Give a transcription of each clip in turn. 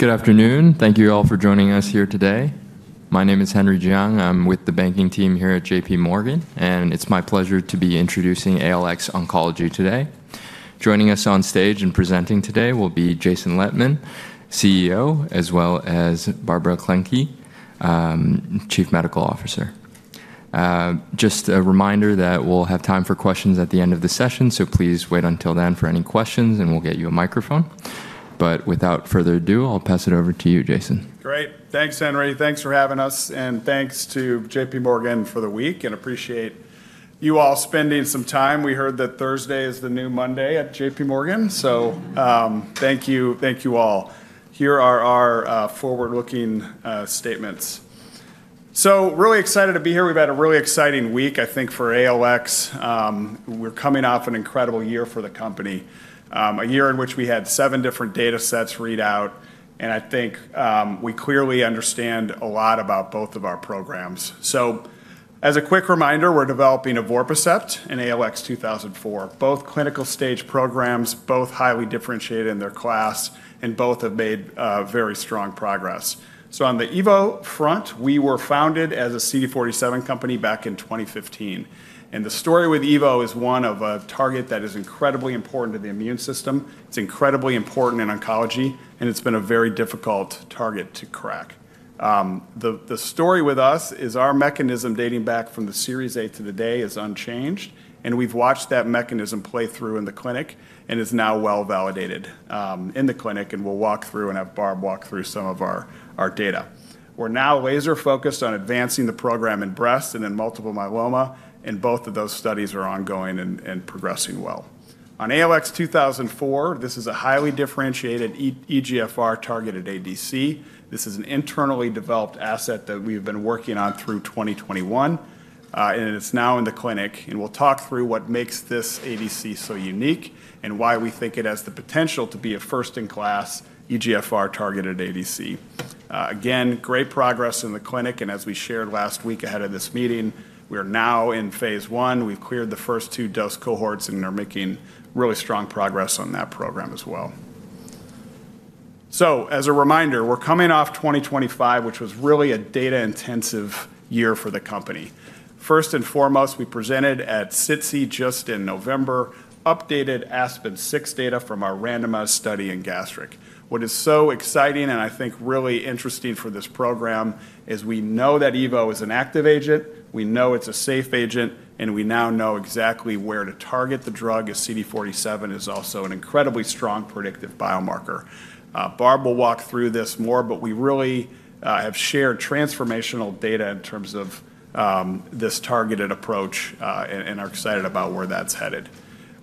Good afternoon. Thank you all for joining us here today. My name is Henry Jiang. I'm with the banking team here at J.P. Morgan, and it's my pleasure to be introducing ALX Oncology today. Joining us on stage and presenting today will be Jason Lettmann, CEO, as well as Barbara Klencke, Chief Medical Officer. Just a reminder that we'll have time for questions at the end of the session, so please wait until then for any questions, and we'll get you a microphone. But without further ado, I'll pass it over to you, Jason. Great. Thanks, Henry. Thanks for having us, and thanks to JPMorgan for the week. And appreciate you all spending some time. We heard that Thursday is the new Monday at JPMorgan, so thank you all. Here are our forward-looking statements. So really excited to be here. We've had a really exciting week, I think, for ALX. We're coming off an incredible year for the company, a year in which we had seven different data sets read out, and I think we clearly understand a lot about both of our programs. So as a quick reminder, we're developing Evorpacept and ALX 2004, both clinical-stage programs, both highly differentiated in their class, and both have made very strong progress. So on the Evo front, we were founded as a CD47 company back in 2015. And the story with Evo is one of a target that is incredibly important to the immune system. It's incredibly important in oncology, and it's been a very difficult target to crack. The story with us is our mechanism dating back from the Series A to the day is unchanged, and we've watched that mechanism play through in the clinic and is now well validated in the clinic, and we'll walk through and have Barb walk through some of our data. We're now laser-focused on advancing the program in breast and in multiple myeloma, and both of those studies are ongoing and progressing well. On ALX 2004, this is a highly differentiated EGFR-targeted ADC. This is an internally developed asset that we've been working on through 2021, and it's now in the clinic. We'll talk through what makes this ADC so unique and why we think it has the potential to be a first-in-class EGFR-targeted ADC. Again, great progress in the clinic, and as we shared last week ahead of this meeting, we are now in phase I. We've cleared the first two dose cohorts and are making really strong progress on that program as well. As a reminder, we're coming off 2025, which was really a data-intensive year for the company. First and foremost, we presented at SITC just in November updated Aspen-06 data from our randomized study in gastric. What is so exciting and I think really interesting for this program is we know that Evo is an active agent, we know it's a safe agent, and we now know exactly where to target the drug as CD47 is also an incredibly strong predictive biomarker. Barb will walk through this more, but we really have shared transformational data in terms of this targeted approach and are excited about where that's headed.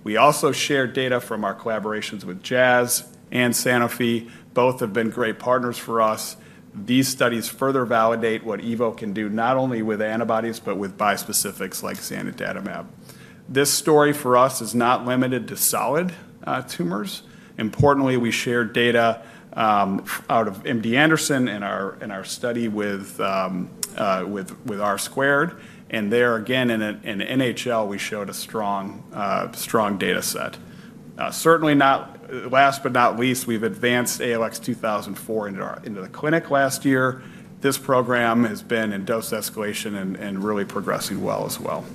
We also shared data from our collaborations with Jazz and Sanofi. Both have been great partners for us. These studies further validate what Evo can do not only with antibodies but with bispecifics like Zanidatamab. This story for us is not limited to solid tumors. Importantly, we shared data out of MD Anderson and our study with R-squared, and there again in NHL we showed a strong data set. Certainly not last but not least, we've advanced ALX 2004 into the clinic last year. This program has been in dose escalation and really progressing well as well.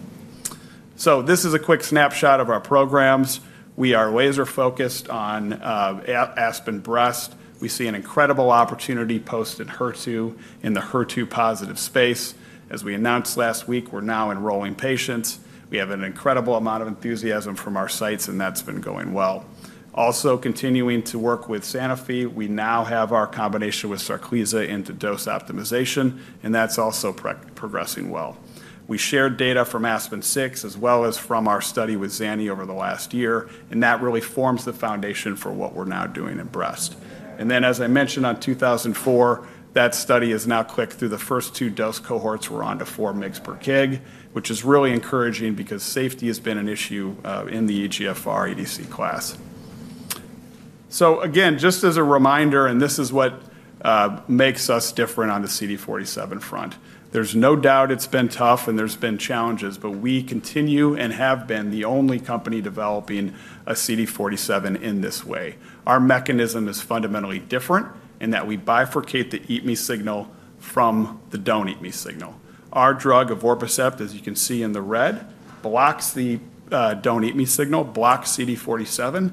So this is a quick snapshot of our programs. We are laser-focused on Aspen breast. We see an incredible opportunity post-HER2 in the HER2-positive space. As we announced last week, we're now enrolling patients. We have an incredible amount of enthusiasm from our sites, and that's been going well. Also continuing to work with Sanofi, we now have our combination with Sarclisa into dose optimization, and that's also progressing well. We shared data from Aspen-06 as well as from our study with Zanni over the last year, and that really forms the foundation for what we're now doing in breast. And then, as I mentioned on 2004, that study has now clicked through the first two dose cohorts. We're on to 4 mg/kg, which is really encouraging because safety has been an issue in the EGFR ADC class. So again, just as a reminder, and this is what makes us different on the CD47 front, there's no doubt it's been tough and there's been challenges, but we continue and have been the only company developing a CD47 in this way. Our mechanism is fundamentally different in that we bifurcate the eat-me signal from the don't-eat-me signal. Our drug, Evorpacept, as you can see in the red, blocks the don't-eat-me signal, blocks CD47,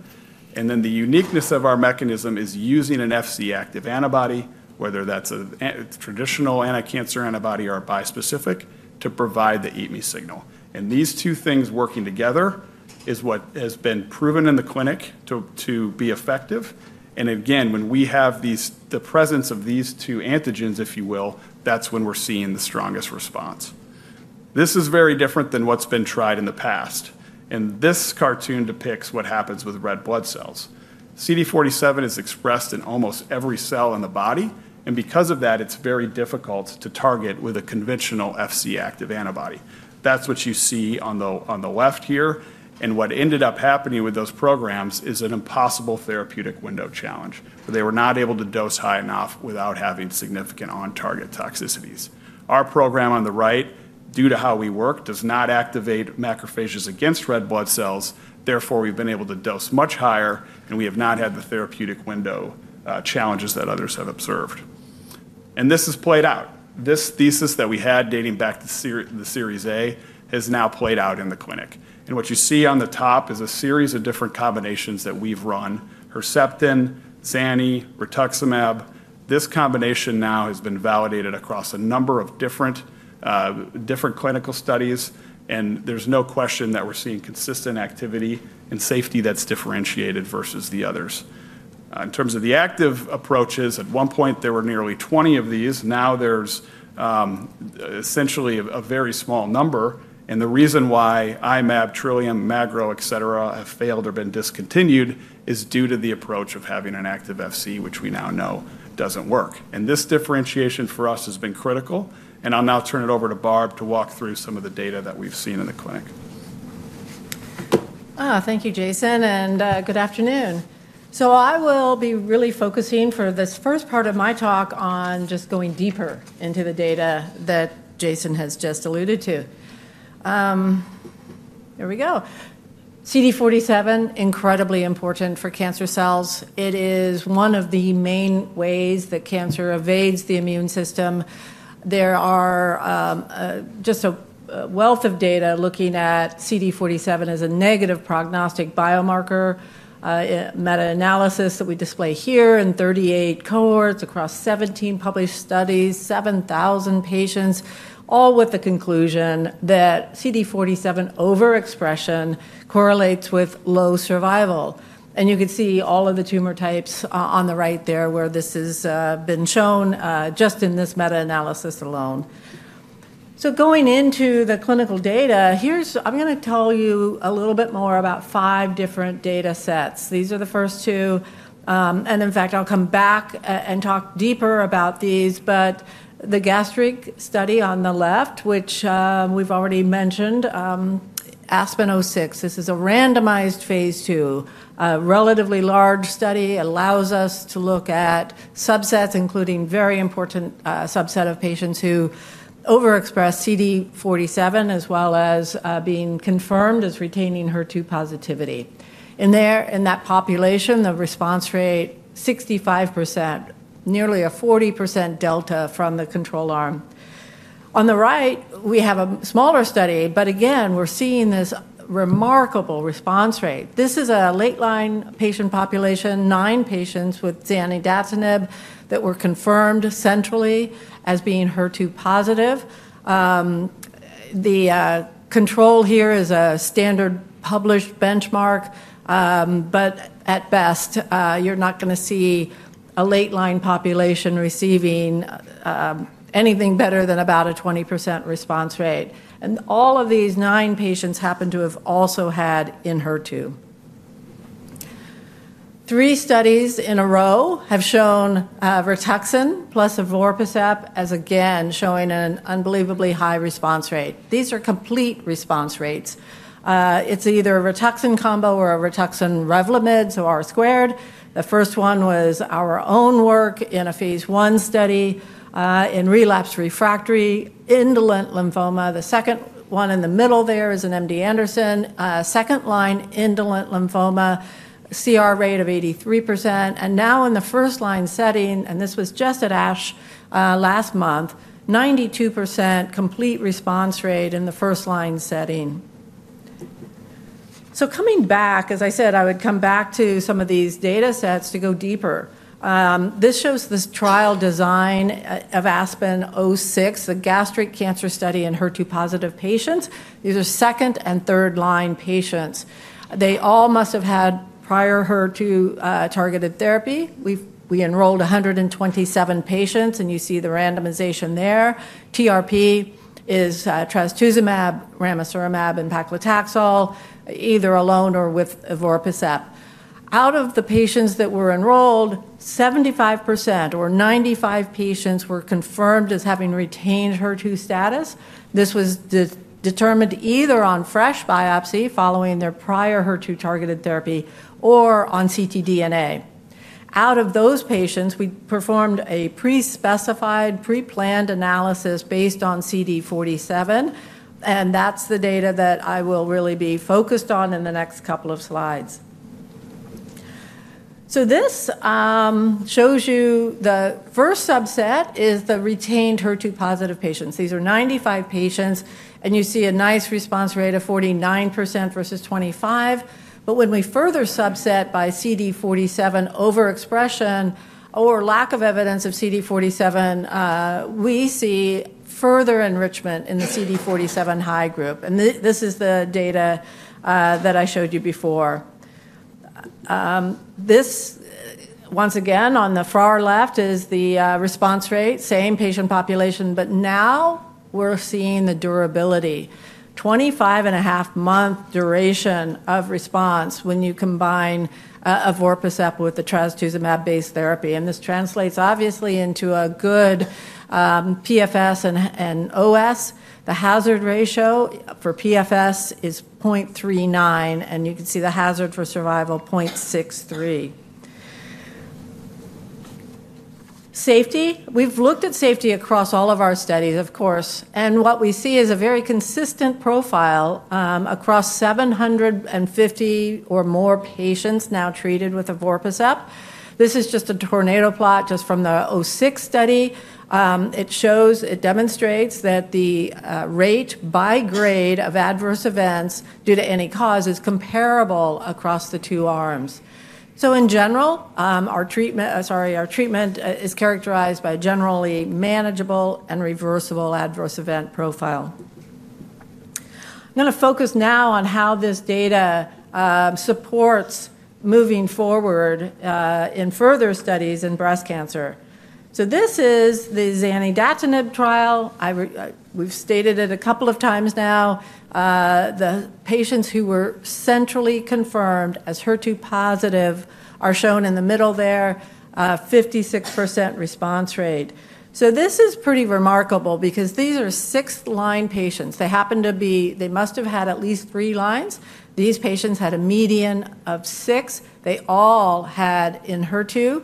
and then the uniqueness of our mechanism is using an Fc-active antibody, whether that's a traditional anticancer antibody or a bispecific, to provide the eat-me signal, and these two things working together is what has been proven in the clinic to be effective, and again, when we have the presence of these two antigens, if you will, that's when we're seeing the strongest response. This is very different than what's been tried in the past, and this cartoon depicts what happens with red blood cells. CD47 is expressed in almost every cell in the body, and because of that, it's very difficult to target with a conventional Fc-active antibody. That's what you see on the left here, and what ended up happening with those programs is an impossible therapeutic window challenge, where they were not able to dose high enough without having significant on-target toxicities. Our program on the right, due to how we work, does not activate macrophages against red blood cells. Therefore, we've been able to dose much higher, and we have not had the therapeutic window challenges that others have observed. This has played out. This thesis that we had dating back to the Series A has now played out in the clinic. What you see on the top is a series of different combinations that we've run: Herceptin, Zanni, Rituximab. This combination now has been validated across a number of different clinical studies, and there's no question that we're seeing consistent activity and safety that's differentiated versus the others. In terms of the active approaches, at one point there were nearly 20 of these. Now there's essentially a very small number, and the reason why I-Mab, Trillium, Magro, etc., have failed or been discontinued is due to the approach of having an active Fc, which we now know doesn't work. And this differentiation for us has been critical, and I'll now turn it over to Barb to walk through some of the data that we've seen in the clinic. Thank you, Jason, and good afternoon. I will be really focusing for this first part of my talk on just going deeper into the data that Jason has just alluded to. There we go. CD47, incredibly important for cancer cells. It is one of the main ways that cancer evades the immune system. There are just a wealth of data looking at CD47 as a negative prognostic biomarker, meta-analysis that we display here in 38 cohorts across 17 published studies, 7,000 patients, all with the conclusion that CD47 overexpression correlates with low survival. You can see all of the tumor types on the right there where this has been shown just in this meta-analysis alone. Going into the clinical data, here, I'm going to tell you a little bit more about five different data sets. These are the first two, and in fact, I'll come back and talk deeper about these, but the gastric study on the left, which we've already mentioned, Aspen-06, this is a randomized phase II, relatively large study, allows us to look at subsets, including a very important subset of patients who overexpress CD47 as well as being confirmed as retaining HER2 positivity. In that population, the response rate is 65%, nearly a 40% delta from the control arm. On the right, we have a smaller study, but again, we're seeing this remarkable response rate. This is a late-line patient population, nine patients with Zanidatamab that were confirmed centrally as being HER2 positive. The control here is a standard published benchmark, but at best, you're not going to see a late-line population receiving anything better than about a 20% response rate. And all of these nine patients happen to have also had Enhertu. Three studies in a row have shown Rituxan plus Evorpacept, again showing an unbelievably high response rate. These are complete response rates. It's either a Rituxan combo or a Rituxan/Revlimid so R-squared. The first one was our own work in a phase I study in relapsed refractory indolent lymphoma. The second one in the middle there is an MD Anderson second-line indolent lymphoma, CR rate of 83%. And now in the first-line setting, and this was just at ASH last month, 92% complete response rate in the first-line setting. So coming back, as I said, I would come back to some of these data sets to go deeper. This shows the trial design of Aspen-06, the gastric cancer study Enhertu-positive patients. These are second- and third-line patients. They all must have had prior HER2-targeted therapy. We enrolled 127 patients, and you see the randomization there. TRP is trastuzumab, ramucirumab, and paclitaxel, either alone or with Evorpacept. Out of the patients that were enrolled, 75% or 95 patients were confirmed as having retained HER2 status. This was determined either on fresh biopsy following their prior HER2-targeted therapy or on ctDNA. Out of those patients, we performed a pre-specified, pre-planned analysis based on CD47, and that's the data that I will really be focused on in the next couple of slides. So this shows you the first subset is the retained HER2-positive patients. These are 95 patients, and you see a nice response rate of 49% versus 25%. But when we further subset by CD47 overexpression or lack of evidence of CD47, we see further enrichment in the CD47 high group, and this is the data that I showed you before. This, once again, on the far left, is the response rate, same patient population, but now we're seeing the durability, 25-and-a-half-month duration of response when you combine Evorpacept with the trastuzumab-based therapy. This translates obviously into a good PFS and OS. The hazard ratio for PFS is 0.39, and you can see the hazard for survival 0.63. Safety, we've looked at safety across all of our studies, of course, and what we see is a very consistent profile across 750 or more patients now treated with Evorpacept. This is just a tornado plot just from the 06 study. It shows, it demonstrates that the rate by grade of adverse events due to any cause is comparable across the two arms. So in general, our treatment is characterized by a generally manageable and reversible adverse event profile. I'm going to focus now on how this data supports moving forward in further studies in breast cancer. So this is the Zanidatamab trial. We've stated it a couple of times now. The patients who were centrally confirmed as HER2-positive are shown in the middle there, 56% response rate. So this is pretty remarkable because these are sixth-line patients. They happen to be, they must have had at least three lines. These patients had a median of six. They all had Enhertu.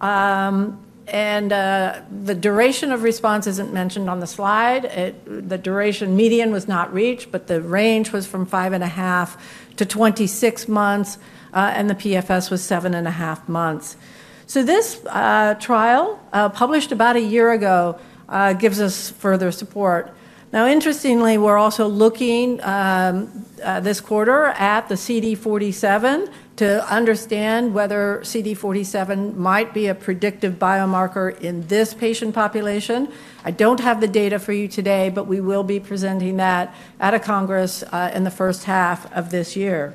And the duration of response isn't mentioned on the slide. The duration median was not reached, but the range was from five-and-a-half to 26 months, and the PFS was seven-and-a-half months. So this trial, published about a year ago, gives us further support. Now, interestingly, we're also looking this quarter at the CD47 to understand whether CD47 might be a predictive biomarker in this patient population. I don't have the data for you today, but we will be presenting that at a congress in the first half of this year.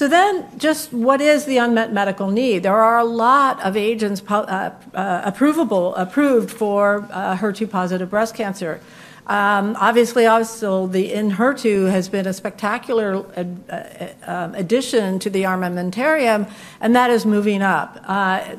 So then just what is the unmet medical need? There are a lot of agents approved for HER2-positive breast cancer. Obviously, also the Enhertu has been a spectacular addition to the armamentarium, and that is moving up.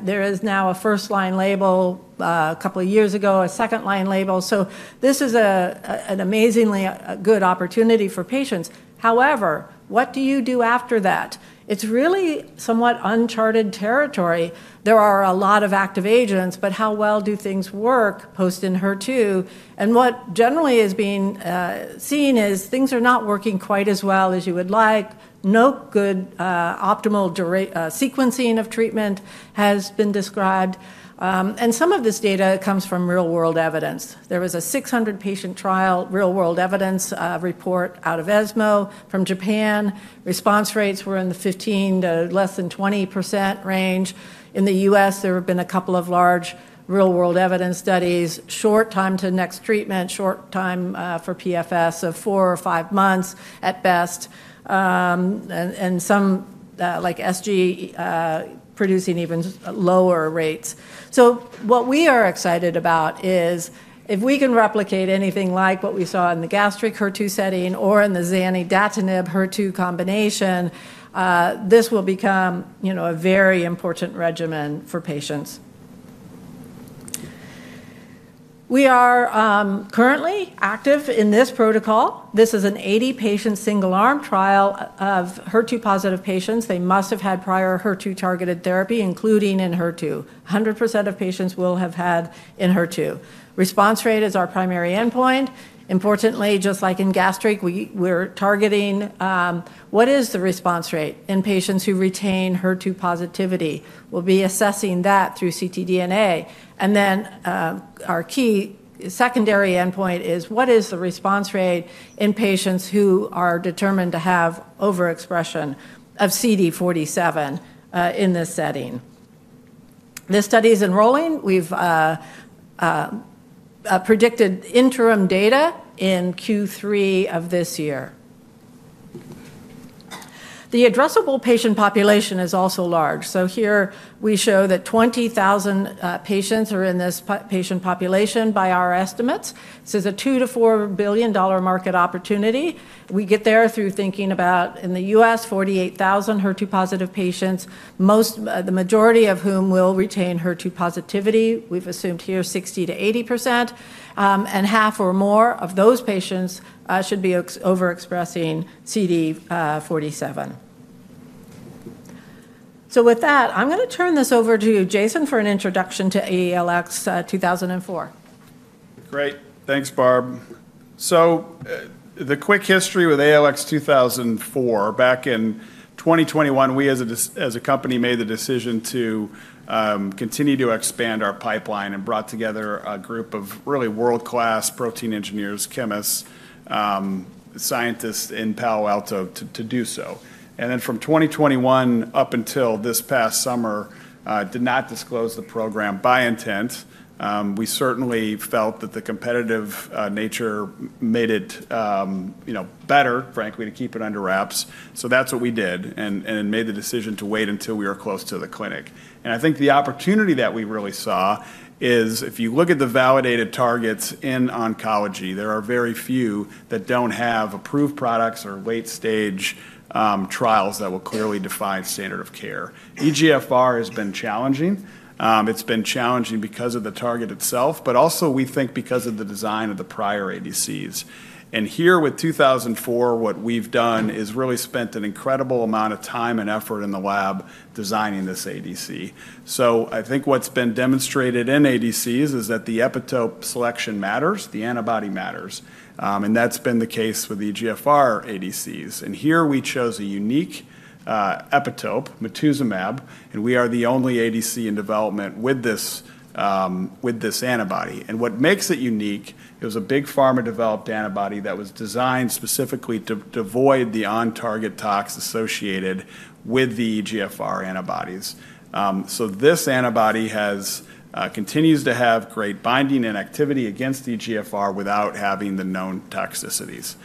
There is now a first-line label a couple of years ago, a second-line label. So this is an amazingly good opportunity for patients. However, what do you do after that? It's really somewhat uncharted territory. There are a lot of active agents, but how well do things work post-Enhertu? And what generally is being seen is things are not working quite as well as you would like. No good optimal sequencing of treatment has been described. And some of this data comes from real-world evidence. There was a 600-patient trial, real-world evidence report out of ESMO from Japan. Response rates were in the 15% to less than 20% range. In the US, there have been a couple of large real-world evidence studies, short time to next treatment, short time for PFS of four or five months at best, and some like SG producing even lower rates. So what we are excited about is if we can replicate anything like what we saw in the gastric HER2 setting or in the Zanidatamab HER2 combination, this will become a very important regimen for patients. We are currently active in this protocol. This is an 80-patient single-arm trial of HER2-positive patients. They must have had prior HER2-targeted therapy, including Enhertu. 100% of patients will have had Enhertu. Response rate is our primary endpoint. Importantly, just like in gastric, we're targeting what is the response rate in patients who retain HER2 positivity. We'll be assessing that through ctDNA. And then our key secondary endpoint is what is the response rate in patients who are determined to have overexpression of CD47 in this setting. This study is enrolling. We've predicted interim data in Q3 of this year. The addressable patient population is also large. So here we show that 20,000 patients are in this patient population by our estimates. This is a $2-$4 billion market opportunity. We get there through thinking about in the U.S., 48,000 HER2-positive patients, the majority of whom will retain HER2 positivity. We've assumed here 60%-80%, and half or more of those patients should be overexpressing CD47. So with that, I'm going to turn this over to Jason for an introduction to ALX 2004. Great. Thanks, Barb. So the quick history with ALX 2004, back in 2021, we as a company made the decision to continue to expand our pipeline and brought together a group of really world-class protein engineers, chemists, scientists in Palo Alto to do so. And then from 2021 up until this past summer, did not disclose the program by intent. We certainly felt that the competitive nature made it better, frankly, to keep it under wraps. So that's what we did and made the decision to wait until we were close to the clinic. And I think the opportunity that we really saw is if you look at the validated targets in oncology, there are very few that don't have approved products or late-stage trials that will clearly define standard of care. EGFR has been challenging. It's been challenging because of the target itself, but also we think because of the design of the prior ADCs. And here with 2004, what we've done is really spent an incredible amount of time and effort in the lab designing this ADC. So I think what's been demonstrated in ADCs is that the epitope selection matters, the antibody matters. And that's been the case with EGFR ADCs. And here we chose a unique epitope, Matuzumab, and we are the only ADC in development with this antibody. And what makes it unique is a big pharma-developed antibody that was designed specifically to devoid the on-target tox associated with the EGFR antibodies. So this antibody continues to have great binding and activity against EGFR without having the known toxicities.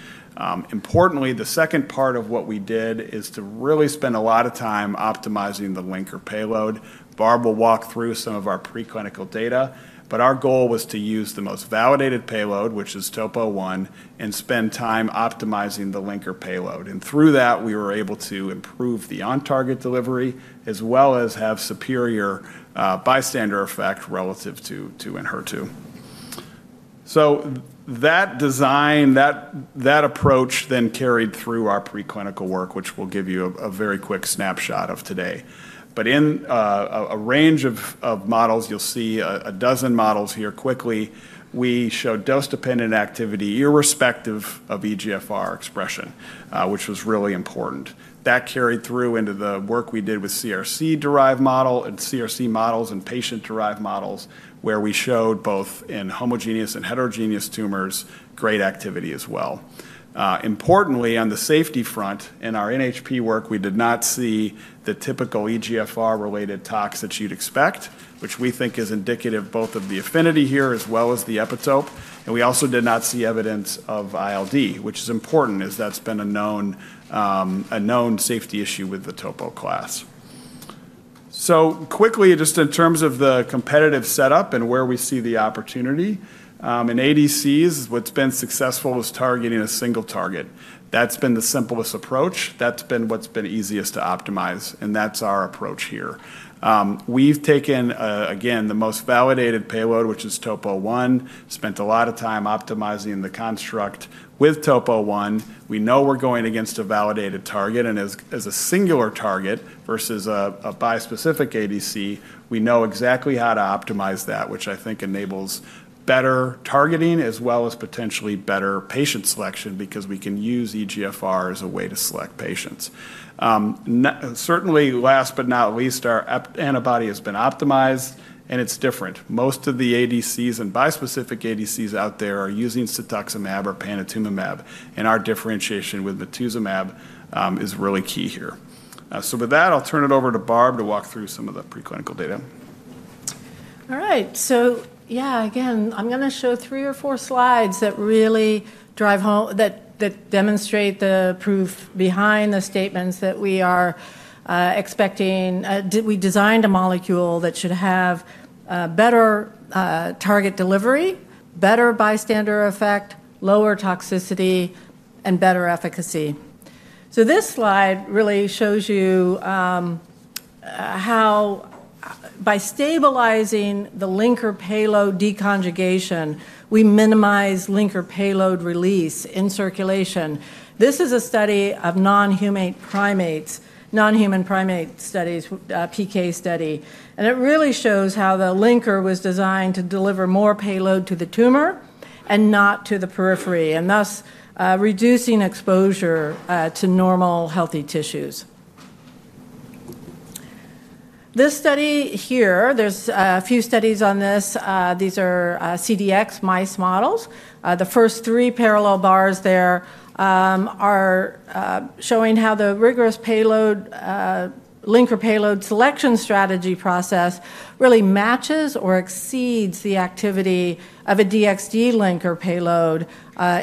Importantly, the second part of what we did is to really spend a lot of time optimizing the linker payload. Barb will walk through some of our preclinical data, but our goal was to use the most validated payload, which is Topo 1, and spend time optimizing the linker payload, and through that, we were able to improve the on-target delivery as well as have superior bystander effect relative to Enhertu, so that design, that approach then carried through our preclinical work, which we'll give you a very quick snapshot of today, but in a range of models, you'll see a dozen models here quickly, we showed dose-dependent activity irrespective of EGFR expression, which was really important. That carried through into the work we did with CRC-derived model and CRC models and patient-derived models where we showed both in homogeneous and heterogeneous tumors great activity as well. Importantly, on the safety front, in our NHP work, we did not see the typical EGFR-related tox that you'd expect, which we think is indicative both of the affinity here as well as the epitope, and we also did not see evidence of ILD, which is important as that's been a known safety issue with the Topo class, so quickly, just in terms of the competitive setup and where we see the opportunity, in ADCs, what's been successful is targeting a single target. That's been the simplest approach. That's been what's been easiest to optimize, and that's our approach here. We've taken, again, the most validated payload, which is Topo 1, spent a lot of time optimizing the construct with Topo 1. We know we're going against a validated target, and as a singular target versus a bispecific ADC, we know exactly how to optimize that, which I think enables better targeting as well as potentially better patient selection because we can use EGFR as a way to select patients. Certainly, last but not least, our antibody has been optimized, and it's different. Most of the ADCs and bispecific ADCs out there are using Cetuximab or Panitumumab, and our differentiation with Matuzumab is really key here. So with that, I'll turn it over to Barb to walk through some of the preclinical data. All right. So yeah, again, I'm going to show three or four slides that really demonstrate the proof behind the statements that we are expecting. We designed a molecule that should have better target delivery, better bystander effect, lower toxicity, and better efficacy. So this slide really shows you how by stabilizing the linker payload deconjugation, we minimize linker payload release in circulation. This is a study of non-human primates, non-human primate studies, PK study, and it really shows how the linker was designed to deliver more payload to the tumor and not to the periphery, and thus reducing exposure to normal healthy tissues. This study here, there's a few studies on this. These are CDX mice models. The first three parallel bars there are showing how the rigorous linker payload selection strategy process really matches or exceeds the activity of a DXd linker payload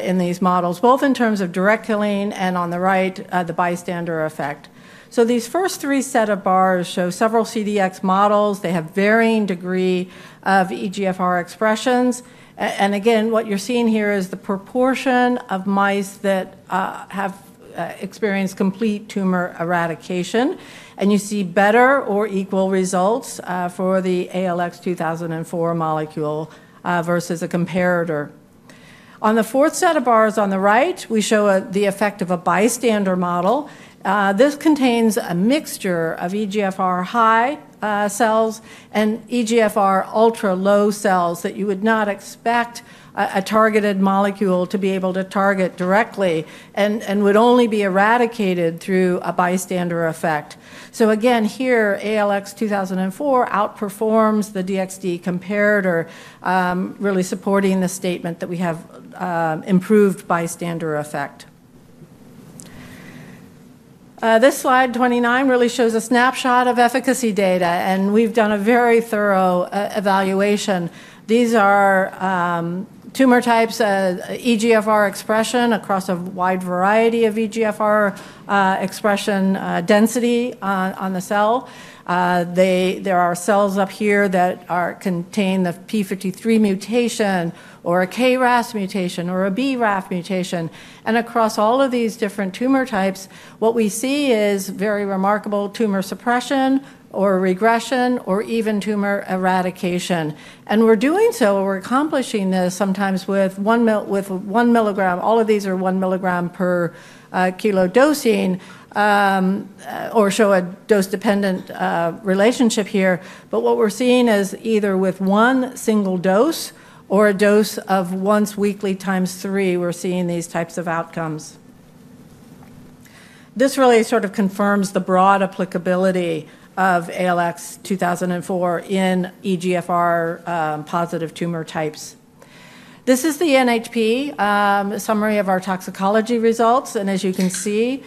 in these models, both in terms of direct killing and on the right, the bystander effect, so these first three set of bars show several CDX models. They have varying degree of EGFR expressions, and again, what you're seeing here is the proportion of mice that have experienced complete tumor eradication, and you see better or equal results for the ALX 2004 molecule versus a comparator. On the fourth set of bars on the right, we show the effect of a bystander model. This contains a mixture of EGFR high cells and EGFR ultra low cells that you would not expect a targeted molecule to be able to target directly and would only be eradicated through a bystander effect. So again, here, ALX 2004 outperforms the DXd comparator, really supporting the statement that we have improved bystander effect. This slide 29 really shows a snapshot of efficacy data, and we've done a very thorough evaluation. These are tumor types, EGFR expression across a wide variety of EGFR expression density on the cell. There are cells up here that contain the P53 mutation or a KRAS mutation or a BRAF mutation. And across all of these different tumor types, what we see is very remarkable tumor suppression or regression or even tumor eradication. And we're doing so, we're accomplishing this sometimes with one milligram. All of these are one milligram per kilo dosing or show a dose-dependent relationship here. But what we're seeing is either with one single dose or a dose of once weekly times three, we're seeing these types of outcomes. This really sort of confirms the broad applicability of ALX 2004 in EGFR positive tumor types. This is the NHP summary of our toxicology results, and as you can see,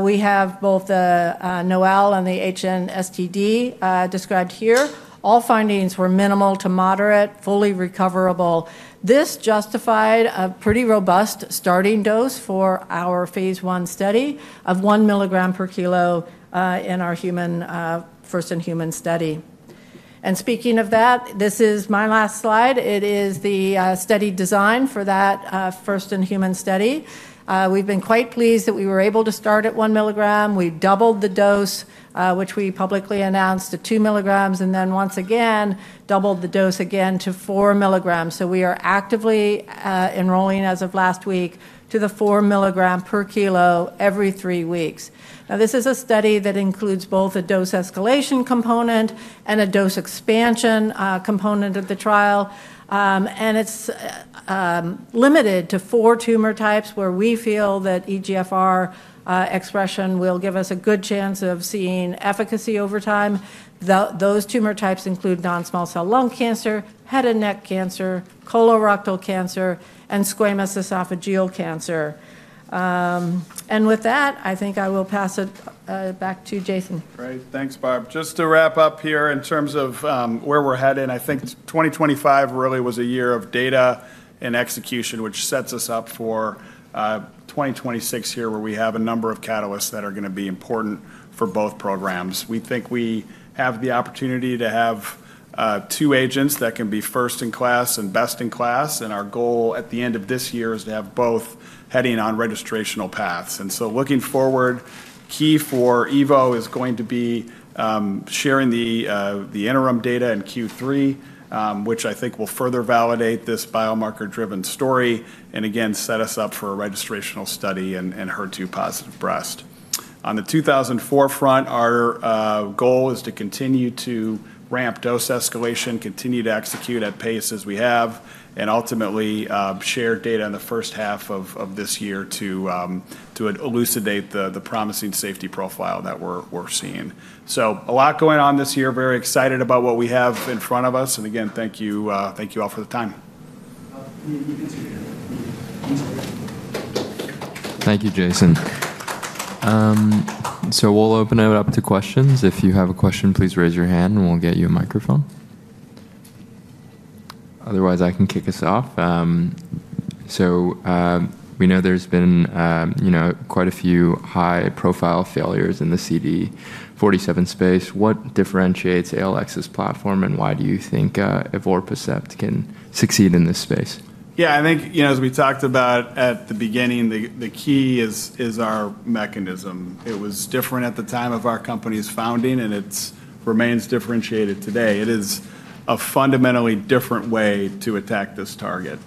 we have both the NOAEL and the HNSTD described here. All findings were minimal to moderate, fully recoverable. This justified a pretty robust starting dose for our phase I study of one milligram per kilo in our first-in-human study, and speaking of that, this is my last slide. It is the study design for that first-in-human study. We've been quite pleased that we were able to start at one milligram. We doubled the dose, which we publicly announced to two milligrams, and then once again doubled the dose to four milligrams, so we are actively enrolling as of last week to the four milligram per kilo every three weeks. Now, this is a study that includes both a dose escalation component and a dose expansion component of the trial, and it's limited to four tumor types where we feel that EGFR expression will give us a good chance of seeing efficacy over time. Those tumor types include non-small cell lung cancer, head and neck cancer, colorectal cancer, and squamous esophageal cancer, and with that, I think I will pass it back to Jason. Great. Thanks, Barb. Just to wrap up here in terms of where we're headed, I think 2025 really was a year of data and execution, which sets us up for 2026 here where we have a number of catalysts that are going to be important for both programs. We think we have the opportunity to have two agents that can be first in class and best in class. And our goal at the end of this year is to have both heading on registrational paths. And so looking forward, key for Evo is going to be sharing the interim data in Q3, which I think will further validate this biomarker-driven story and again, set us up for a registrational study Enhertu-positive breast. On the 2004 front, our goal is to continue to ramp dose escalation, continue to execute at pace as we have, and ultimately share data in the first half of this year to elucidate the promising safety profile that we're seeing, so a lot going on this year, very excited about what we have in front of us, and again, thank you all for the time. Thank you, Jason. So we'll open it up to questions. If you have a question, please raise your hand and we'll get you a microphone. Otherwise, I can kick us off. So we know there's been quite a few high-profile failures in the CD47 space. What differentiates ALX's platform and why do you think Evorpacept can succeed in this space? Yeah, I think as we talked about at the beginning, the key is our mechanism. It was different at the time of our company's founding and it remains differentiated today. It is a fundamentally different way to attack this target.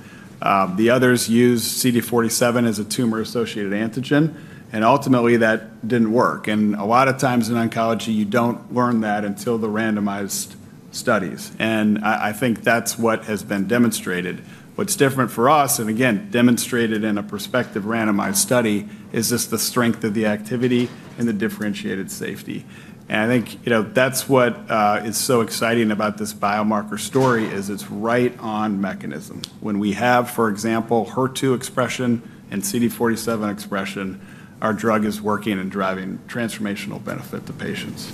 The others used CD47 as a tumor-associated antigen, and ultimately that didn't work. And a lot of times in oncology, you don't learn that until the randomized studies. And I think that's what has been demonstrated. What's different for us, and again, demonstrated in a prospective randomized study, is just the strength of the activity and the differentiated safety. And I think that's what is so exciting about this biomarker story is it's right on mechanism. When we have, for example, HER2 expression and CD47 expression, our drug is working and driving transformational benefit to patients.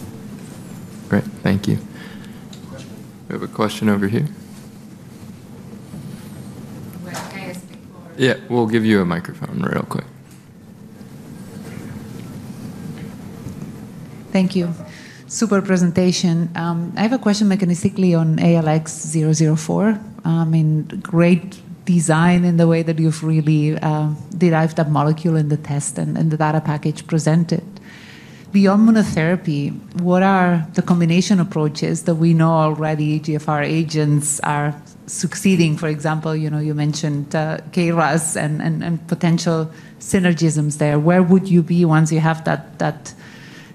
Great. Thank you. We have a question over here. Yeah, we'll give you a microphone real quick. Thank you. Super presentation. I have a question mechanistically on ALX 2004. I mean, great design in the way that you've really derived that molecule in the test and the data package presented. Beyond monotherapy, what are the combination approaches that we know already EGFR agents are succeeding? For example, you mentioned KRAS and potential synergisms there. Where would you be once you have that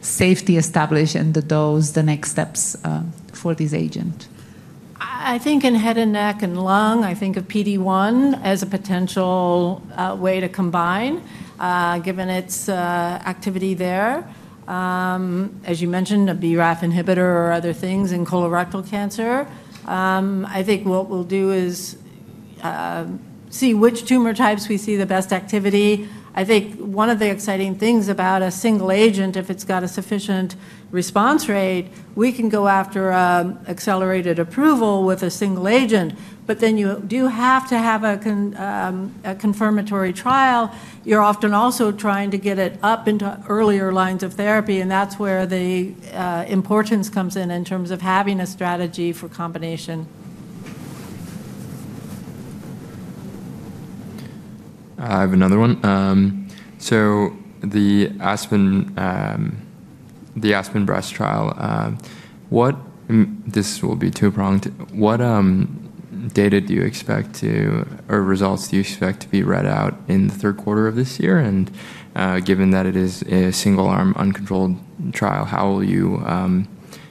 safety established and the dose, the next steps for this agent? I think in head and neck and lung, I think of PD-1 as a potential way to combine given its activity there. As you mentioned, a BRAF inhibitor or other things in colorectal cancer. I think what we'll do is see which tumor types we see the best activity. I think one of the exciting things about a single agent, if it's got a sufficient response rate, we can go after accelerated approval with a single agent, but then you do have to have a confirmatory trial. You're often also trying to get it up into earlier lines of therapy, and that's where the importance comes in in terms of having a strategy for combination. I have another one. So the Aspen breast trial, this will be two-pronged. What data do you expect to or results do you expect to be read out in the third quarter of this year? And given that it is a single-arm uncontrolled trial, how will you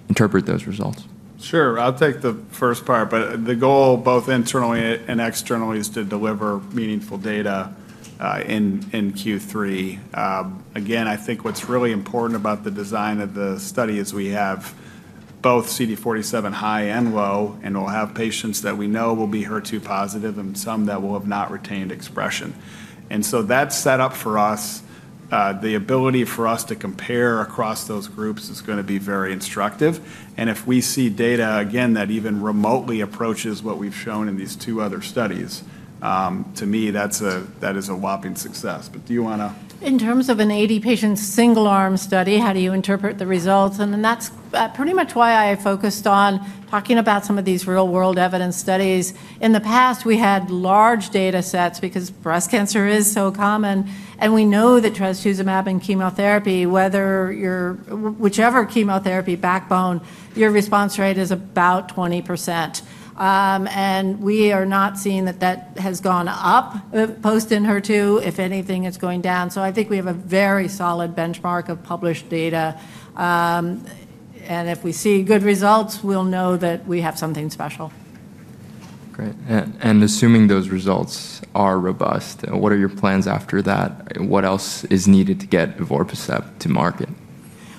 interpret those results? Sure. I'll take the first part, but the goal both internally and externally is to deliver meaningful data in Q3. Again, I think what's really important about the design of the study is we have both CD47 high and low, and we'll have patients that we know will be HER2 positive and some that will have not retained expression. And so that setup for us, the ability for us to compare across those groups is going to be very instructive. And if we see data, again, that even remotely approaches what we've shown in these two other studies, to me, that is a whopping success. But do you want to? In terms of an 80-patient single-arm study, how do you interpret the results? And that's pretty much why I focused on talking about some of these real-world evidence studies. In the past, we had large data sets because breast cancer is so common, and we know that trastuzumab and chemotherapy, whether you're whichever chemotherapy backbone, your response rate is about 20%. And we are not seeing that that has gone up post Enhertu. If anything, it's going down. So I think we have a very solid benchmark of published data. And if we see good results, we'll know that we have something special. Great. And assuming those results are robust, what are your plans after that? What else is needed to get Evorpacept to market?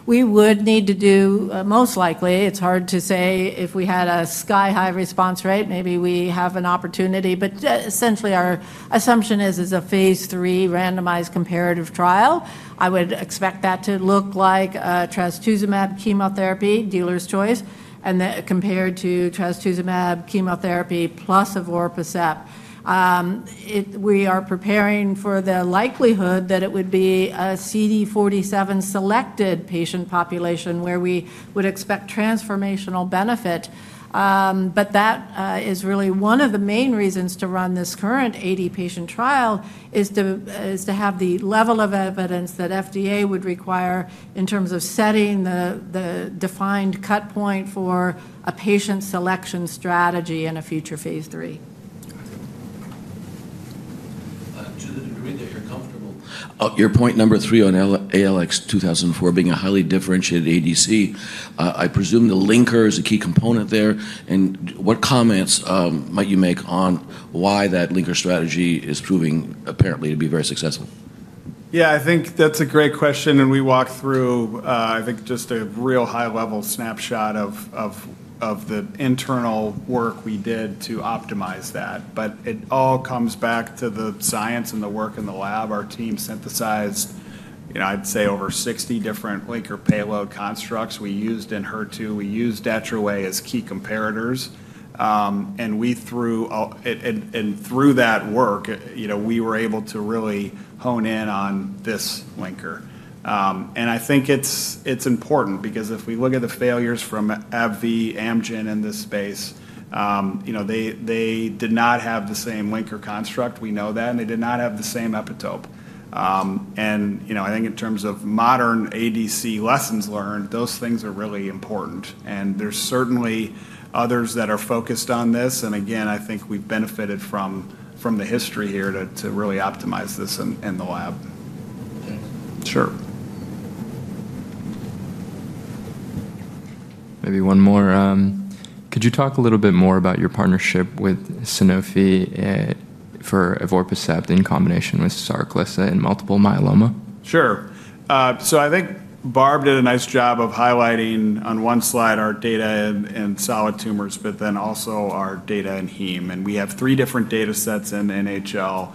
We would need to do most likely. It's hard to say if we had a sky-high response rate, maybe we have an opportunity, but essentially, our assumption is it's a phase III randomized comparative trial. I would expect that to look like trastuzumab chemotherapy, dealer's choice, and compared to trastuzumab chemotherapy plus Evorpacept. We are preparing for the likelihood that it would be a CD47 selected patient population where we would expect transformational benefit, but that is really one of the main reasons to run this current 80-patient trial is to have the level of evidence that FDA would require in terms of setting the defined cut point for a patient selection strategy in a future phase III. To the degree that you're comfortable. Your point number three on ALX 2004 being a highly differentiated ADC, I presume the linker is a key component there, and what comments might you make on why that linker strategy is proving apparently to be very successful? Yeah, I think that's a great question, and we walked through, I think, just a real high-level snapshot of the internal work we did to optimize that, but it all comes back to the science and the work in the lab. Our team synthesized, I'd say, over 60 different linker payload constructs. We used Enhertu, we used deruxtecan as key comparators, and through that work, we were able to really hone in on this linker, and I think it's important because if we look at the failures from AbbVie, Amgen in this space, they did not have the same linker construct, we know that, and they did not have the same epitope, and I think in terms of modern ADC lessons learned, those things are really important, and there's certainly others that are focused on this. Again, I think we've benefited from the history here to really optimize this in the lab. Sure. Maybe one more. Could you talk a little bit more about your partnership with Sanofi for Evorpacept in combination with Sarclisa in multiple myeloma? Sure. So I think Barb did a nice job of highlighting on one slide our data in solid tumors, but then also our data in HEME, and we have three different data sets in NHL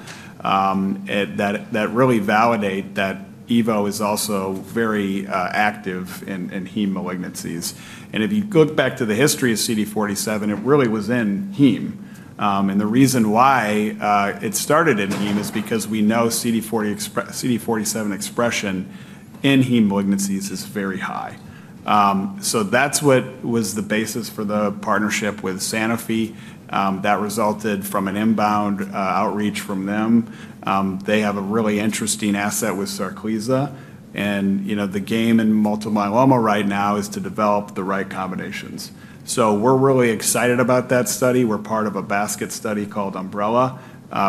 that really validate that Evo is also very active in HEME malignancies. And if you look back to the history of CD47, it really was in HEME, and the reason why it started in HEME is because we know CD47 expression in HEME malignancies is very high, so that's what was the basis for the partnership with Sanofi. That resulted from an inbound outreach from them. They have a really interesting asset with Sarclisa. And the game in multiple myeloma right now is to develop the right combinations, so we're really excited about that study. We're part of a basket study called Umbrella.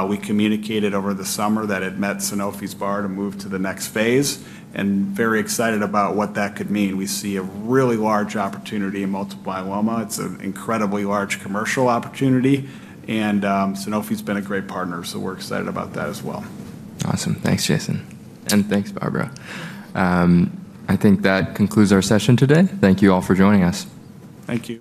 We communicated over the summer that it met Sanofi's bar to move to the next phase, and very excited about what that could mean. We see a really large opportunity in multiple myeloma. It's an incredibly large commercial opportunity, and Sanofi's been a great partner, so we're excited about that as well. Awesome. Thanks, Jason. And thanks, Barbara. I think that concludes our session today. Thank you all for joining us. Thank you.